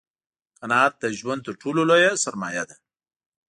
قناعت دژوند تر ټولو لویه سرمایه ده